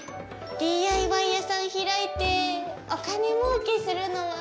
ＤＩＹ屋さん開いてお金もうけするのは？